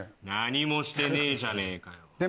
何もしてねえじゃねぇかよ。